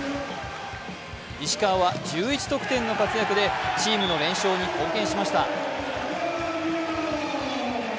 石川は１１得点の活躍で、チームの連勝に貢献しました。